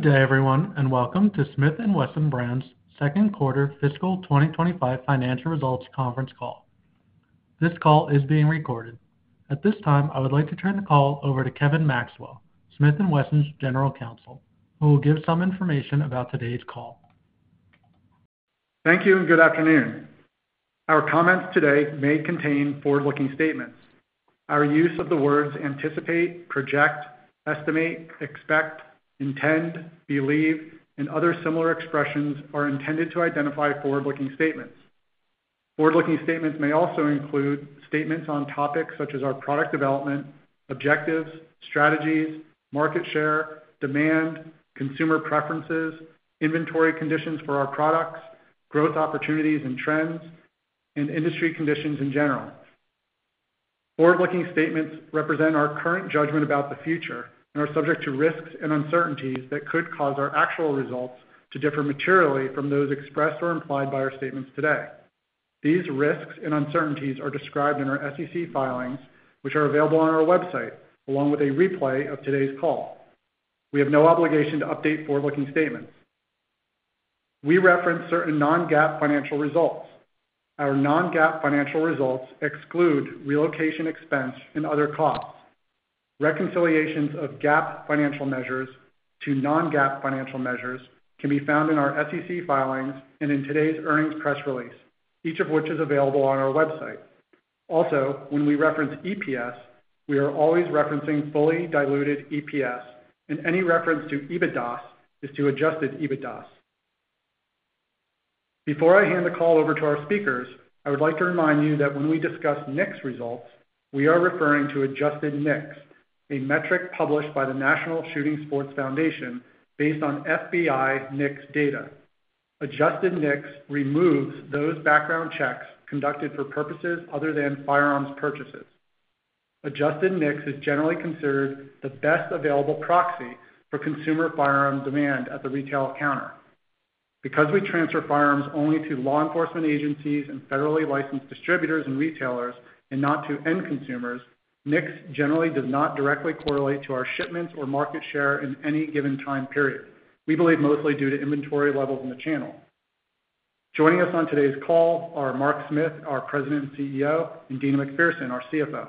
Good day, everyone, and welcome to Smith & Wesson Brands' second quarter fiscal 2025 financial results conference call. This call is being recorded. At this time, I would like to turn the call over to Kevin Maxwell, Smith & Wesson's General Counsel, who will give some information about today's call. Thank you, and good afternoon. Our comments today may contain forward-looking statements. Our use of the words anticipate, project, estimate, expect, intend, believe, and other similar expressions are intended to identify forward-looking statements. Forward-looking statements may also include statements on topics such as our product development, objectives, strategies, market share, demand, consumer preferences, inventory conditions for our products, growth opportunities and trends, and industry conditions in general. Forward-looking statements represent our current judgment about the future and are subject to risks and uncertainties that could cause our actual results to differ materially from those expressed or implied by our statements today. These risks and uncertainties are described in our SEC filings, which are available on our website, along with a replay of today's call. We have no obligation to update forward-looking statements. We reference certain non-GAAP financial results. Our non-GAAP financial results exclude relocation expense and other costs. Reconciliations of GAAP financial measures to non-GAAP financial measures can be found in our SEC filings and in today's earnings press release, each of which is available on our website. Also, when we reference EPS, we are always referencing fully diluted EPS, and any reference to EBITDA is to adjusted EBITDA. Before I hand the call over to our speakers, I would like to remind you that when we discuss NICS results, we are referring to adjusted NICS, a metric published by the National Shooting Sports Foundation based on FBI NICS data. Adjusted NICS removes those background checks conducted for purposes other than firearms purchases. Adjusted NICS is generally considered the best available proxy for consumer firearms demand at the retail counter. Because we transfer firearms only to law enforcement agencies and federally licensed distributors and retailers and not to end consumers, NICS generally does not directly correlate to our shipments or market share in any given time period. We believe mostly due to inventory levels in the channel. Joining us on today's call are Mark Smith, our President and CEO, and Deana McPherson, our CFO.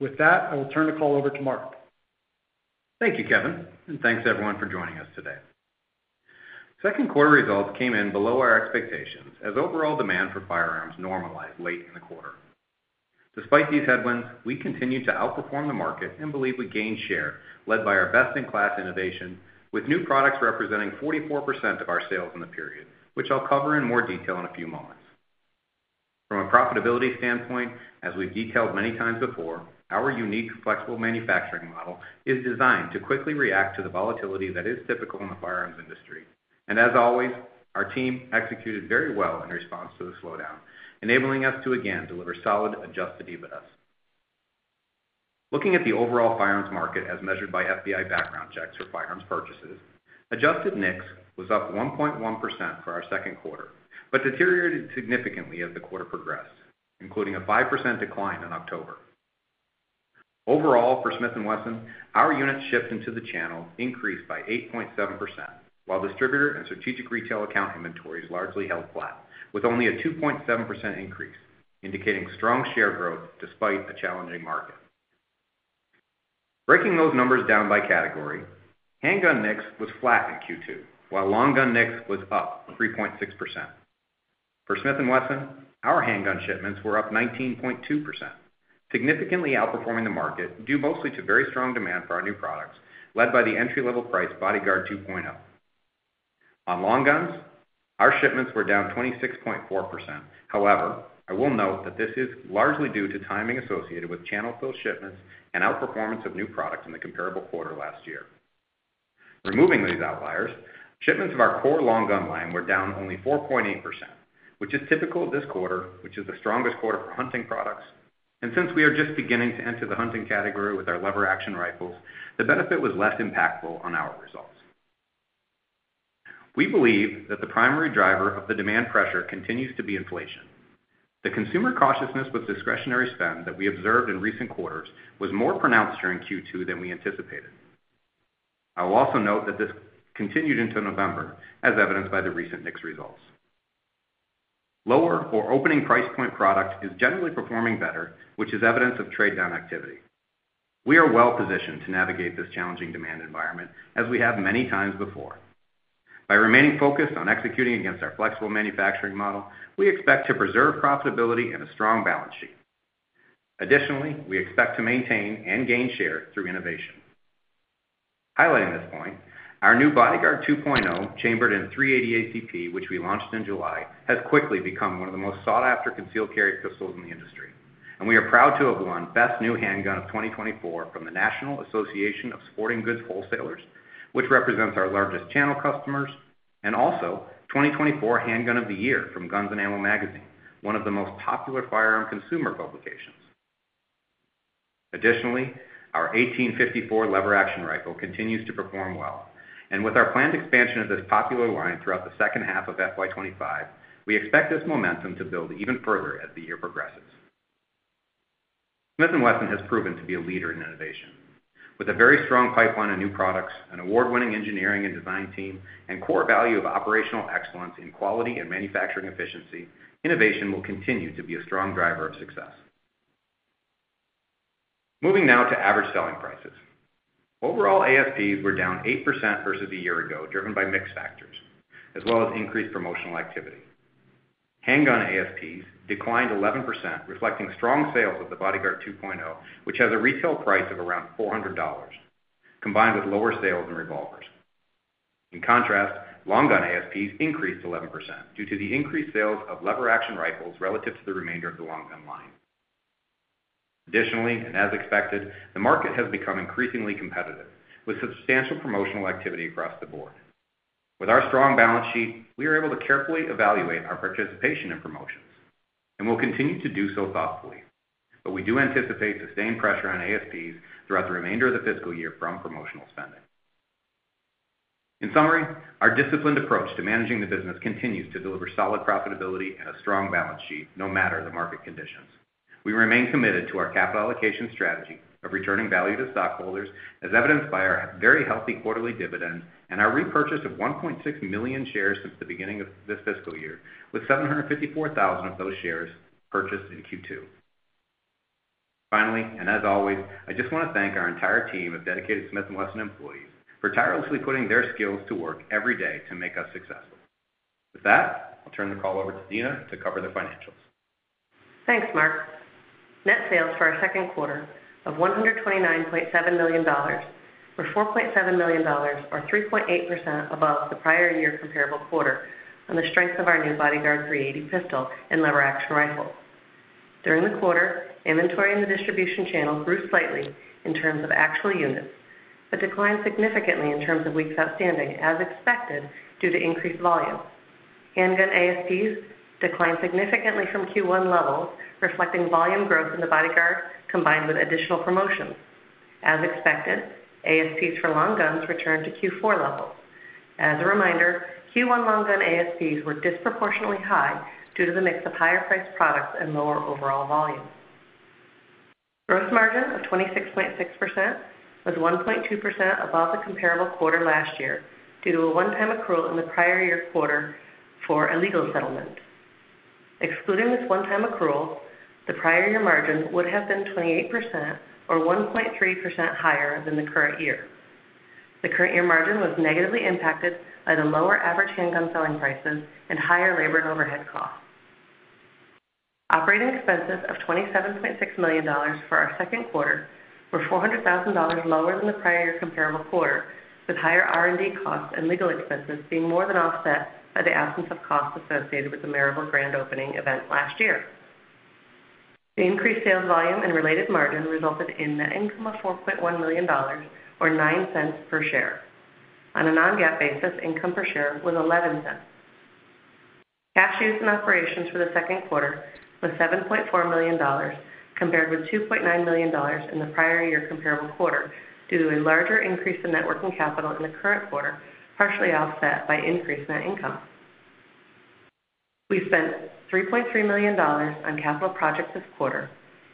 With that, I will turn the call over to Mark. Thank you, Kevin, and thanks everyone for joining us today. Second quarter results came in below our expectations as overall demand for firearms normalized late in the quarter. Despite these headwinds, we continued to outperform the market and believe we gained share, led by our best-in-class innovation, with new products representing 44% of our sales in the period, which I'll cover in more detail in a few moments. From a profitability standpoint, as we've detailed many times before, our unique flexible manufacturing model is designed to quickly react to the volatility that is typical in the firearms industry. And as always, our team executed very well in response to the slowdown, enabling us to again deliver solid adjusted EBITDA. Looking at the overall firearms market as measured by FBI background checks for firearms purchases, adjusted NICS was up 1.1% for our second quarter, but deteriorated significantly as the quarter progressed, including a 5% decline in October. Overall, for Smith & Wesson, our unit shipments into the channel increased by 8.7%, while distributor and strategic retail account inventories largely held flat, with only a 2.7% increase, indicating strong share growth despite a challenging market. Breaking those numbers down by category, handgun NICS was flat in Q2, while long gun NICS was up 3.6%. For Smith & Wesson, our handgun shipments were up 19.2%, significantly outperforming the market due mostly to very strong demand for our new products, led by the entry-level price Bodyguard 2.0. On long guns, our shipments were down 26.4%. However, I will note that this is largely due to timing associated with channel-fill shipments and outperformance of new products in the comparable quarter last year. Removing these outliers, shipments of our core long gun line were down only 4.8%, which is typical of this quarter, which is the strongest quarter for hunting products. And since we are just beginning to enter the hunting category with our lever-action rifles, the benefit was less impactful on our results. We believe that the primary driver of the demand pressure continues to be inflation. The consumer cautiousness with discretionary spend that we observed in recent quarters was more pronounced during Q2 than we anticipated. I will also note that this continued into November, as evidenced by the recent NICS results. Lower or opening price point product is generally performing better, which is evidence of trade-down activity. We are well positioned to navigate this challenging demand environment, as we have many times before. By remaining focused on executing against our flexible manufacturing model, we expect to preserve profitability and a strong balance sheet. Additionally, we expect to maintain and gain share through innovation. Highlighting this point, our new Bodyguard 2.0, chambered in .380 ACP, which we launched in July, has quickly become one of the most sought-after concealed carry pistols in the industry, and we are proud to have won Best New Handgun of 2024 from the National Association of Sporting Goods Wholesalers, which represents our largest channel customers, and also 2024 Handgun of the Year from Guns & Ammo Magazine, one of the most popular firearm consumer publications. Additionally, our 1854 lever-action rifle continues to perform well. With our planned expansion of this popular line throughout the second half of FY25, we expect this momentum to build even further as the year progresses. Smith & Wesson has proven to be a leader in innovation. With a very strong pipeline of new products, an award-winning engineering and design team, and core value of operational excellence in quality and manufacturing efficiency, innovation will continue to be a strong driver of success. Moving now to average selling prices. Overall ASPs were down 8% versus a year ago, driven by mixed factors, as well as increased promotional activity. Handgun ASPs declined 11%, reflecting strong sales of the Bodyguard 2.0, which has a retail price of around $400, combined with lower sales in revolvers. In contrast, long gun ASPs increased 11% due to the increased sales of lever action rifles relative to the remainder of the long gun line. Additionally, and as expected, the market has become increasingly competitive, with substantial promotional activity across the board. With our strong balance sheet, we are able to carefully evaluate our participation in promotions, and we'll continue to do so thoughtfully. But we do anticipate sustained pressure on ASPs throughout the remainder of the fiscal year from promotional spending. In summary, our disciplined approach to managing the business continues to deliver solid profitability and a strong balance sheet no matter the market conditions. We remain committed to our capital allocation strategy of returning value to stockholders, as evidenced by our very healthy quarterly dividend and our repurchase of 1.6 million shares since the beginning of this fiscal year, with 754,000 of those shares purchased in Q2. Finally, and as always, I just want to thank our entire team of dedicated Smith & Wesson employees for tirelessly putting their skills to work every day to make us successful. With that, I'll turn the call over to Deana to cover the financials. Thanks, Mark. Net sales for our second quarter of $129.7 million were $4.7 million, or 3.8% above the prior year comparable quarter, on the strength of our new Bodyguard 380 pistol and lever-action rifle. During the quarter, inventory in the distribution channel grew slightly in terms of actual units, but declined significantly in terms of weeks outstanding, as expected due to increased volume. Handgun ASPs declined significantly from Q1 levels, reflecting volume growth in the Bodyguard combined with additional promotions. As expected, ASPs for long guns returned to Q4 levels. As a reminder, Q1 long gun ASPs were disproportionately high due to the mix of higher priced products and lower overall volume. Gross margin of 26.6% was 1.2% above the comparable quarter last year due to a one-time accrual in the prior year quarter for legal settlement. Excluding this one-time accrual, the prior year margin would have been 28% or 1.3% higher than the current year. The current year margin was negatively impacted by the lower average handgun selling prices and higher labor and overhead costs. Operating expenses of $27.6 million for our second quarter were $400,000 lower than the prior year comparable quarter, with higher R&D costs and legal expenses being more than offset by the absence of costs associated with the Maryville Grand Opening event last year. The increased sales volume and related margin resulted in net income of $4.1 million or $0.09 per share. On a non-GAAP basis, income per share was $0.11. Cash used in operations for the second quarter was $7.4 million, compared with $2.9 million in the prior year comparable quarter due to a larger increase in net working capital in the current quarter, partially offset by increased net income. We spent $3.3 million on capital projects this quarter,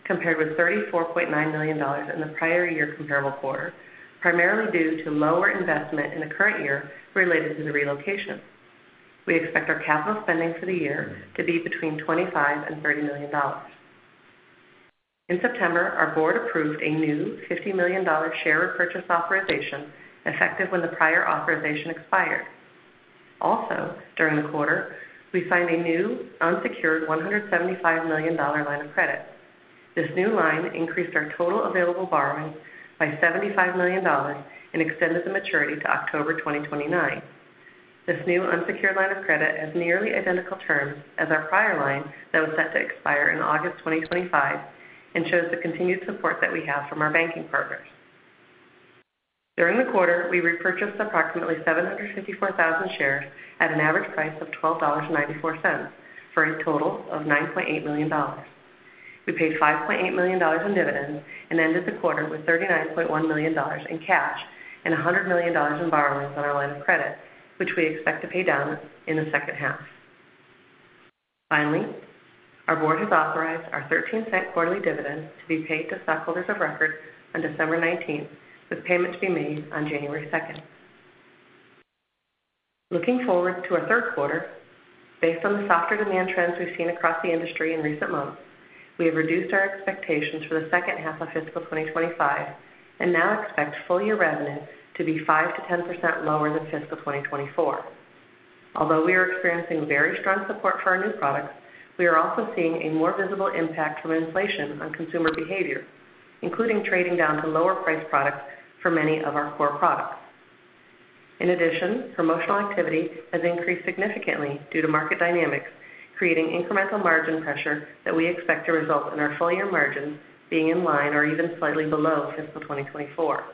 compared with $34.9 million in the prior year comparable quarter, primarily due to lower investment in the current year related to the relocation. We expect our capital spending for the year to be between $25 million and $30 million. In September, our board approved a new $50 million share repurchase authorization effective when the prior authorization expired. Also, during the quarter, we signed a new unsecured $175 million line of credit. This new line increased our total available borrowing by $75 million and extended the maturity to October 2029. This new unsecured line of credit has nearly identical terms as our prior line that was set to expire in August 2025 and shows the continued support that we have from our banking partners. During the quarter, we repurchased approximately 754,000 shares at an average price of $12.94 for a total of $9.8 million. We paid $5.8 million in dividends and ended the quarter with $39.1 million in cash and $100 million in borrowings on our line of credit, which we expect to pay down in the second half. Finally, our board has authorized our $0.13 quarterly dividend to be paid to stockholders of record on December 19th, with payment to be made on January 2nd. Looking forward to our third quarter, based on the softer demand trends we've seen across the industry in recent months, we have reduced our expectations for the second half of fiscal 2025 and now expect full year revenue to be 5%-10% lower than fiscal 2024. Although we are experiencing very strong support for our new products, we are also seeing a more visible impact from inflation on consumer behavior, including trading down to lower priced products for many of our core products. In addition, promotional activity has increased significantly due to market dynamics, creating incremental margin pressure that we expect to result in our full year margins being in line or even slightly below fiscal 2024.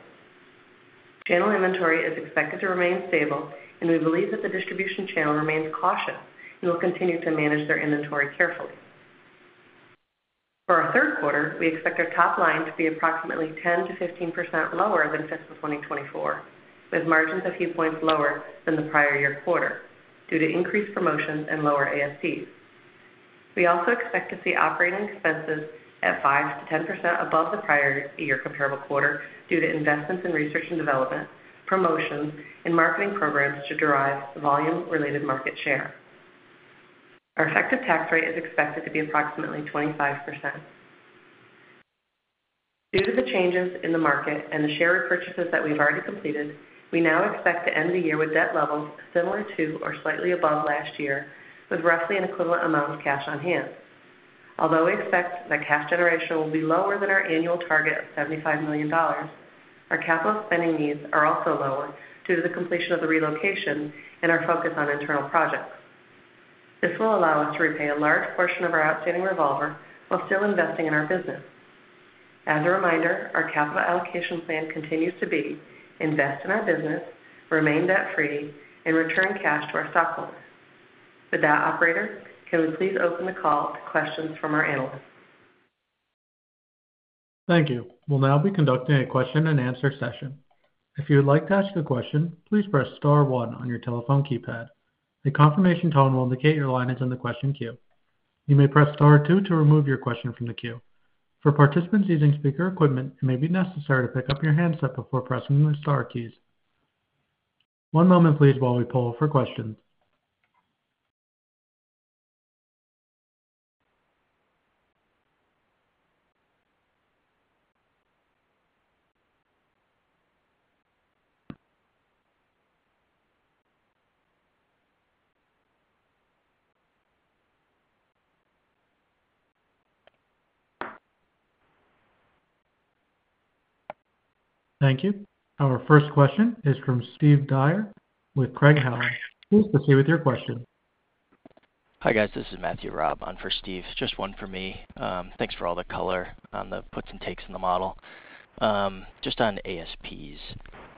Channel inventory is expected to remain stable, and we believe that the distribution channel remains cautious and will continue to manage their inventory carefully. For our third quarter, we expect our top line to be approximately 10%-15% lower than fiscal 2024, with margins a few points lower than the prior year quarter due to increased promotions and lower ASPs. We also expect to see operating expenses at 5%-10% above the prior year comparable quarter due to investments in research and development, promotions, and marketing programs to derive volume-related market share. Our effective tax rate is expected to be approximately 25%. Due to the changes in the market and the share repurchases that we've already completed, we now expect to end the year with debt levels similar to or slightly above last year, with roughly an equivalent amount of cash on hand. Although we expect that cash generation will be lower than our annual target of $75 million, our capital spending needs are also lower due to the completion of the relocation and our focus on internal projects. This will allow us to repay a large portion of our outstanding revolver while still investing in our business. As a reminder, our capital allocation plan continues to be to invest in our business, remain debt-free, and return cash to our stockholders. With that, operator, can we please open the call to questions from our analysts? Thank you. We'll now be conducting a question-and-answer session. If you would like to ask a question, please press star one on your telephone keypad. A confirmation tone will indicate your line is in the question queue. You may press star two to remove your question from the queue. For participants using speaker equipment, it may be necessary to pick up your handset before pressing the star keys. One moment, please, while we pull for questions. Thank you. Our first question is from Steve Dyer with Craig-Hallum Capital Group. Please proceed with your question. Hi guys, this is Matthew Raab on for Steve. Just one for me. Thanks for all the color on the puts and takes in the model. Just on ASPs,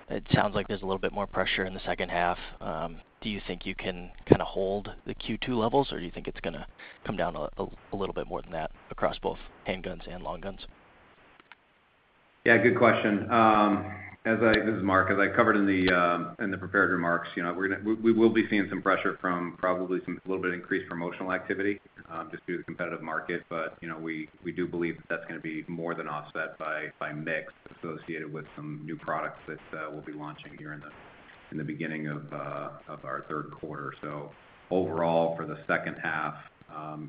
it sounds like there's a little bit more pressure in the second half. Do you think you can kind of hold the Q2 levels, or do you think it's gonna come down a little bit more than that across both handguns and long guns? Yeah, good question. As I, this is Mark, as I covered in the prepared remarks, you know, we're gonna, we will be seeing some pressure from probably some a little bit increased promotional activity, just due to the competitive market. But, you know, we do believe that that's gonna be more than offset by mix associated with some new products that we'll be launching here in the beginning of our third quarter. So overall, for the second half,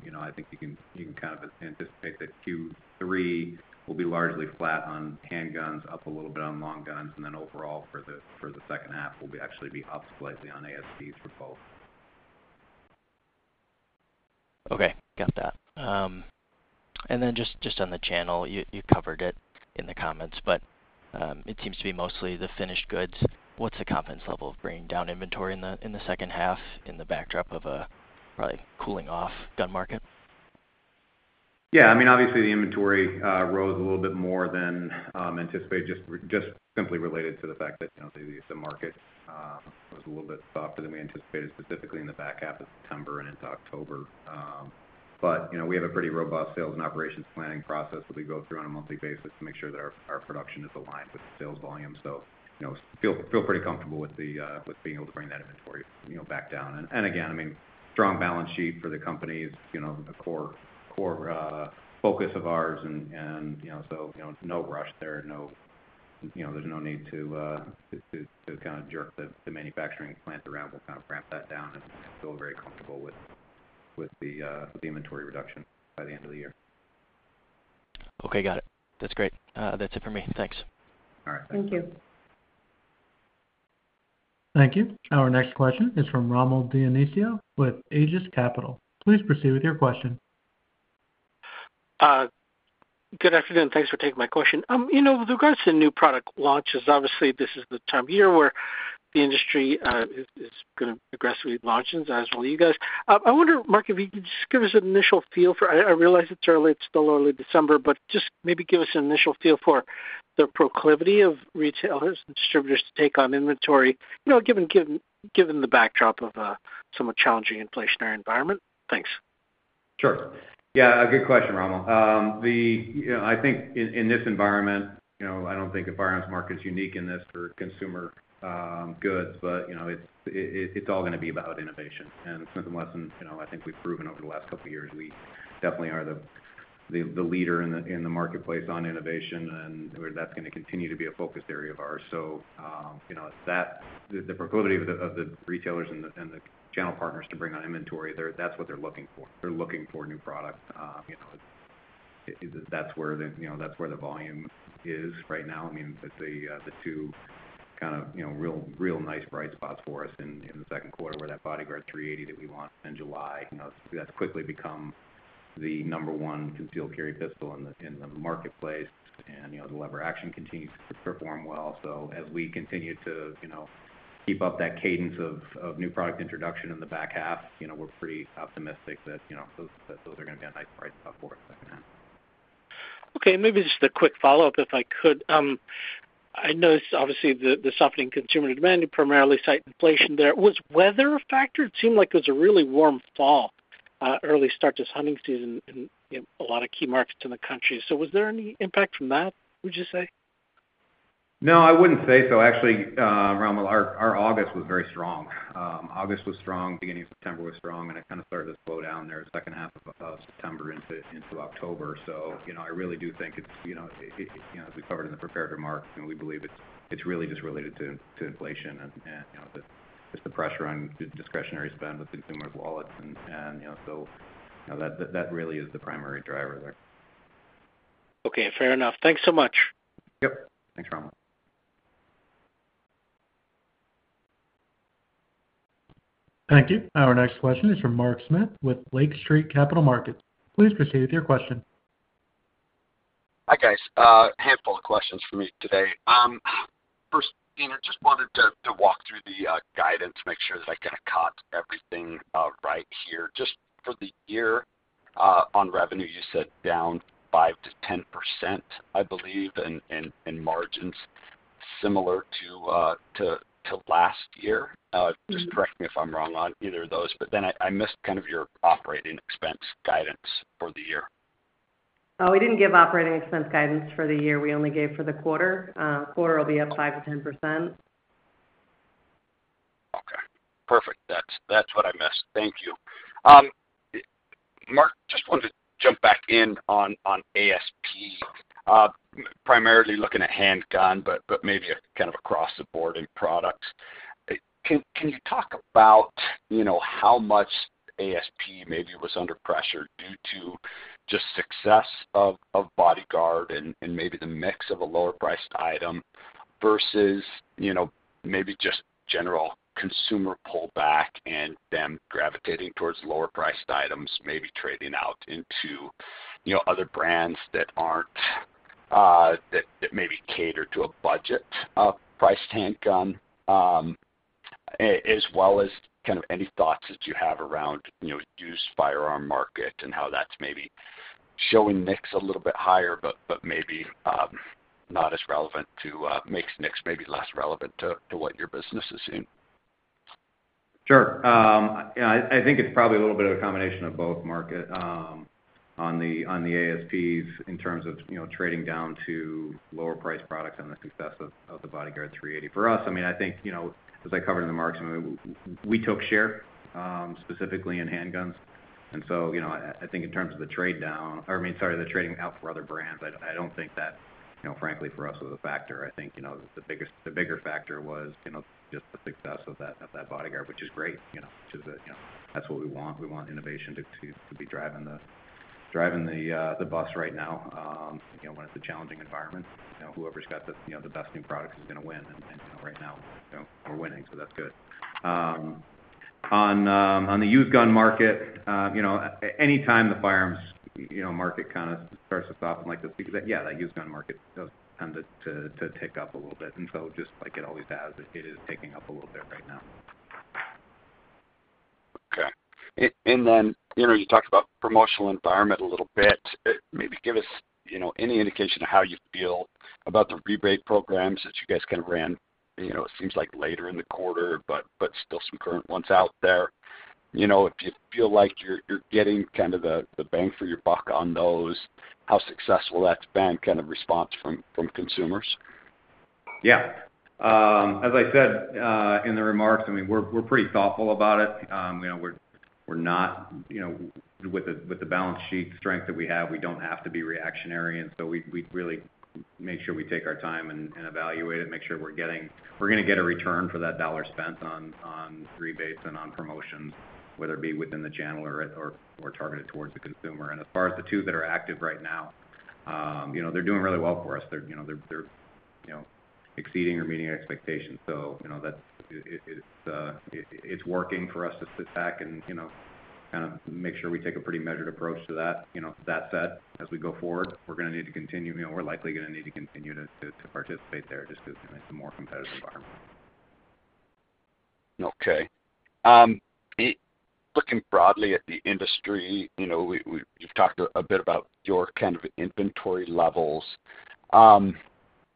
you know, I think you can kind of anticipate that Q3 will be largely flat on handguns, up a little bit on long guns, and then overall for the second half, we'll actually be up slightly on ASPs for both. Okay, got that. And then just on the channel, you covered it in the comments, but it seems to be mostly the finished goods. What's the confidence level of bringing down inventory in the second half in the backdrop of a probably cooling off gun market? Yeah, I mean, obviously the inventory rose a little bit more than anticipated, just simply related to the fact that, you know, the market was a little bit softer than we anticipated, specifically in the back half of September and into October, but you know, we have a pretty robust sales and operations planning process that we go through on a monthly basis to make sure that our production is aligned with sales volume, so you know, feel pretty comfortable with being able to bring that inventory, you know, back down, and again, I mean, strong balance sheet for the company is, you know, a core focus of ours. You know, so, you know, no rush there. No, you know, there's no need to kind of jerk the manufacturing plant around. We'll kind of ramp that down and feel very comfortable with the inventory reduction by the end of the year. Okay, got it. That's great. That's it for me. Thanks. All right. Thank you. Thank you. Our next question is from Rommel Dionisio with Aegis Capital. Please proceed with your question. Good afternoon. Thanks for taking my question. You know, with regards to new product launches, obviously this is the time of year where the industry is gonna aggressively launch as well as you guys. I wonder, Mark, if you could just give us an initial feel for. I realize it's early, it's still early December, but just maybe give us an initial feel for the proclivity of retailers and distributors to take on inventory, you know, given the backdrop of somewhat challenging inflationary environment. Thanks. Sure. Yeah, a good question, Rommel. The, you know, I think in this environment, you know, I don't think the finance market's unique in this for consumer goods, but, you know, it's all gonna be about innovation, and Smith & Wesson, you know, I think we've proven over the last couple of years, we definitely are the leader in the marketplace on innovation, and that's gonna continue to be a focus area of ours, so you know, the proclivity of the retailers and the channel partners to bring on inventory, that's what they're looking for. They're looking for new products. You know, that's where the volume is right now. I mean, it's the two kind of, you know, real, real nice bright spots for us in the second quarter were that Bodyguard 380 that we launched in July, you know, that's quickly become the number one concealed carry pistol in the marketplace, and you know, the lever-action continues to perform well, so as we continue to, you know, keep up that cadence of new product introduction in the back half, you know, we're pretty optimistic that, you know, that those are gonna be a nice bright spot for us second half. Okay, maybe just a quick follow-up if I could. I noticed obviously the softening consumer demand and primarily price inflation there. Was weather a factor? It seemed like it was a really warm fall, early start to hunting season in a lot of key markets in the country. So was there any impact from that, would you say? No, I wouldn't say so. Actually, Rommel, our August was very strong. August was strong, beginning of September was strong, and it kind of started to slow down there the second half of September into October. So, you know, I really do think it's, you know, as we covered in the prepared remarks, you know, we believe it's really just related to inflation and, you know, just the pressure on discretionary spend with consumers' wallets and, you know, so, you know, that really is the primary driver there. Okay, fair enough. Thanks so much. Yep. Thanks, Rommel. Thank you. Our next question is from Mark Smith with Lake Street Capital Markets. Please proceed with your question. Hi guys. Handful of questions for me today. First, you know, just wanted to walk through the guidance, make sure that I kind of caught everything right here. Just for the year, on revenue, you said down 5%-10%, I believe, in margins, similar to last year. Just correct me if I'm wrong on either of those, but then I missed kind of your operating expense guidance for the year. Oh, we didn't give operating expense guidance for the year. We only gave for the quarter. Quarter will be up 5%-10%. Okay. Perfect. That's, that's what I missed. Thank you. Mark, just wanted to jump back in on, on ASP, primarily looking at handgun, but, but maybe kind of across the board in products. Can, can you talk about, you know, how much ASP maybe was under pressure due to just success of, of Bodyguard and, and maybe the mix of a lower-priced item versus, you know, maybe just general consumer pullback and them gravitating towards lower-priced items, maybe trading out into, you know, other brands that aren't, that, that maybe cater to a budget, priced handgun. As well as kind of any thoughts that you have around, you know, used firearm market and how that's maybe showing NICS a little bit higher, but, but maybe, not as relevant to, makes NICS maybe less relevant to, to what your business is seeing. Sure. You know, I think it's probably a little bit of a combination of both, Mark, on the ASPs in terms of trading down to lower-priced products and the success of the Bodyguard 380. For us, I mean, I think, you know, as I covered in the markets, I mean, we took share, specifically in handguns. And so, you know, I think in terms of the trade down, or I mean, sorry, the trading out for other brands, I don't think that, you know, frankly, for us was a factor. I think, you know, the biggest, the bigger factor was, you know, just the success of that Bodyguard, which is great, you know, which is, you know, that's what we want. We want innovation to be driving the bus right now, you know, when it's a challenging environment, you know, whoever's got the, you know, the best new products is gonna win. And you know, right now, you know, we're winning, so that's good. On the used gun market, you know, anytime the firearms, you know, market kind of starts to soften like this, because that, yeah, that used gun market does tend to tick up a little bit. And so just like it always does, it is ticking up a little bit right now. Okay. And then, you know, you talked about promotional environment a little bit. Maybe give us, you know, any indication of how you feel about the rebate programs that you guys kind of ran, you know, it seems like later in the quarter, but still some current ones out there. You know, if you feel like you're getting kind of the bang for your buck on those, how successful that's been, kind of response from consumers? Yeah. As I said, in the remarks, I mean, we're pretty thoughtful about it. You know, we're not, you know, with the balance sheet strength that we have, we don't have to be reactionary. And so we really make sure we take our time and evaluate it, make sure we're getting a return for that dollar spent on rebates and on promotions, whether it be within the channel or targeted towards the consumer. And as far as the two that are active right now, you know, they're doing really well for us. They're exceeding or meeting expectations. So, you know, that's it, it's working for us to sit back and, you know, kind of make sure we take a pretty measured approach to that, you know, that set as we go forward. We're likely gonna need to continue to participate there just 'cause, you know, it's a more competitive environment. Okay. Looking broadly at the industry, you know, we've talked a bit about your kind of inventory levels.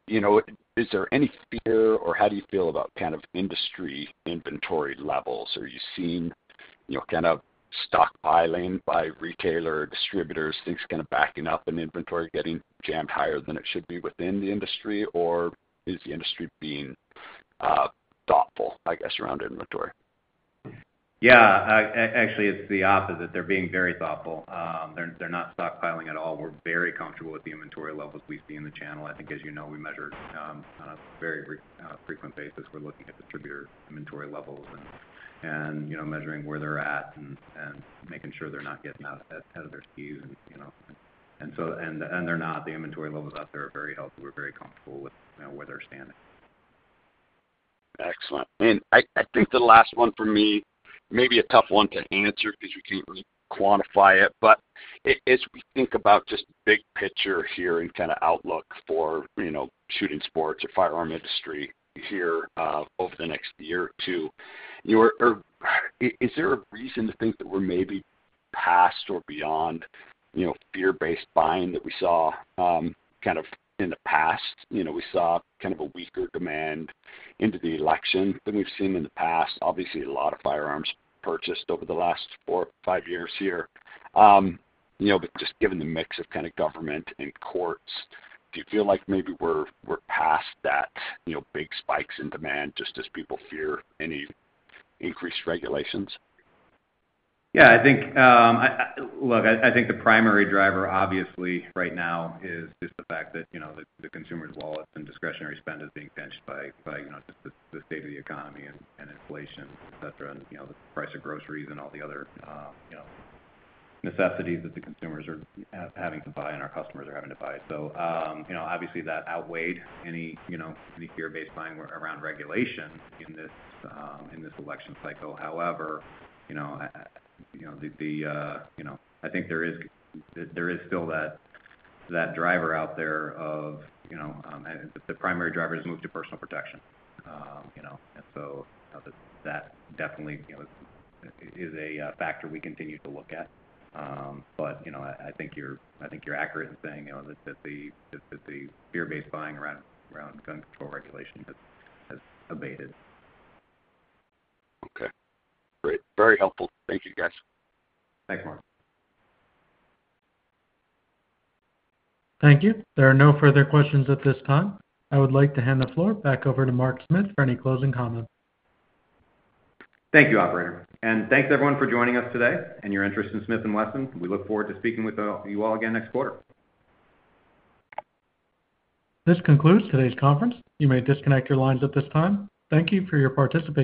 You know, is there any fear or how do you feel about kind of industry inventory levels? Are you seeing, you know, kind of stockpiling by retailer distributors, things kind of backing up in inventory, getting jammed higher than it should be within the industry, or is the industry being thoughtful, I guess, around inventory? Yeah, actually, it's the opposite. They're being very thoughtful. They're not stockpiling at all. We're very comfortable with the inventory levels we see in the channel. I think, as you know, we measure on a very frequent basis. We're looking at distributor inventory levels and, you know, measuring where they're at and making sure they're not getting out ahead of their skis. And, you know, so they're not. The inventory levels out there are very healthy. We're very comfortable with, you know, where they're standing. Excellent. And I, I think the last one for me, maybe a tough one to answer 'cause you can't really quantify it, but as we think about just big picture here and kind of outlook for, you know, shooting sports or firearm industry here, over the next year or two, you were, or is there a reason to think that we're maybe past or beyond, you know, fear-based buying that we saw, kind of in the past? You know, we saw kind of a weaker demand into the election than we've seen in the past. Obviously, a lot of firearms purchased over the last four, five years here. You know, but just given the mix of kind of government and courts, do you feel like maybe we're, we're past that, you know, big spikes in demand just as people fear any increased regulations? Yeah, I think the primary driver obviously right now is just the fact that, you know, the consumer's wallets and discretionary spend is being pinched by, you know, just the state of the economy and inflation, etc., and, you know, the price of groceries and all the other, you know, necessities that the consumers are having to buy and our customers are having to buy. So, you know, obviously that outweighed any, you know, fear-based buying around regulation in this election cycle. However, you know, I think there is still that driver out there of, you know, the primary driver has moved to personal protection, you know, and so, you know, that definitely, you know, is a factor we continue to look at. But, you know, I think you're accurate in saying, you know, that the fear-based buying around gun control regulation has abated. Okay. Great. Very helpful. Thank you, guys. Thanks, Mark. Thank you. There are no further questions at this time. I would like to hand the floor back over to Mark Smith for any closing comments. Thank you, operator, and thanks, everyone, for joining us today and your interest in Smith & Wesson. We look forward to speaking with you all again next quarter. This concludes today's conference. You may disconnect your lines at this time. Thank you for your participation.